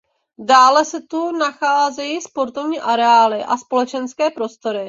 Dále se tu nacházejí sportovní areály a společenské prostory.